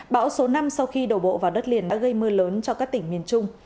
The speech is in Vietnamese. bão số năm sau khi đổ bộ vào đất liền đã gây mưa lớn cho các tỉnh miền trung